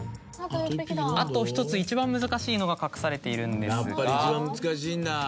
あと１つ一番難しいのが隠されているんですが。